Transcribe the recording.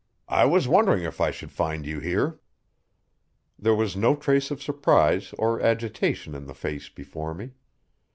"I was wondering if I should find you here." There was no trace of surprise or agitation in the face before me.